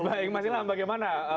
baik mas ilam bagaimana